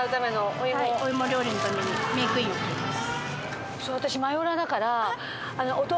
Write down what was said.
おイモ料理のためにメークインを買います。